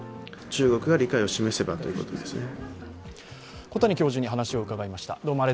中国が理解を示せばということですね。